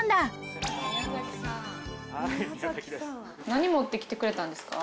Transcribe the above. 何持ってきてくれたんですか？